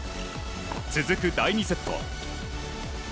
続く第２セット。